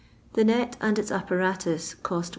The net and ita appwatoi cost 1